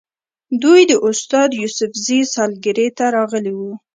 دوی د استاد یوسفزي سالګرې ته راغلي وو.